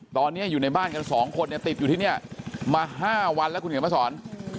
ตอนนี้อยู่ในบ้านกัน๒คนเนี่ยติดอยู่ที่นี่มา๕วันแล้วคุณเขียนมาสอน